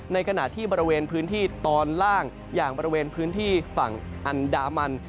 ในขณะที่บริเวณพื้นที่ตอนล่างอย่างบริเวณพื้นที่ฝั่งอันดามัน